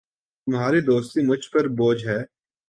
تمہاری دوستی مجھ پر بوجھ ہے